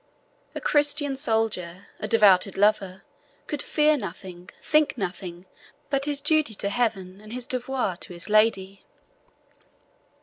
A Christian soldier, a devoted lover, could fear nothing, think of nothing, but his duty to Heaven and his devoir to his lady.